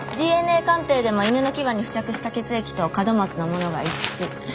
ＤＮＡ鑑定でも犬の牙に付着した血液と門松のものが一致。